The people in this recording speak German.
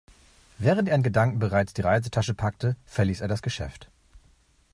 Während er in Gedanken bereits die Reisetasche packte, verließ er das Geschäft.